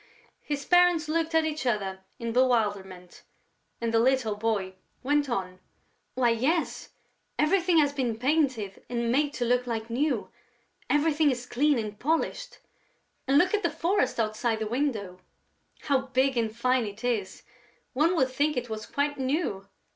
His parents looked at each other in bewilderment; and the little boy went on: "Why, yes, everything has been painted and made to look like new; everything is clean and polished.... And look at the forest outside the window!... How big and fine it is!... One would think it was quite new!...